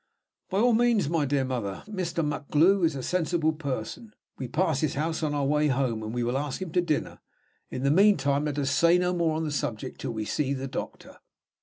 "By all means, my dear mother. Mr. MacGlue is a sensible person. We pass his house on our way home, and we will ask him to dinner. In the meantime, let us say no more on the subject till we see the doctor."